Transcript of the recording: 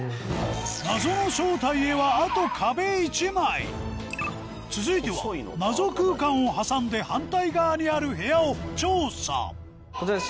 謎の正体へは続いては謎空間を挟んで反対側にある部屋を調査こちら。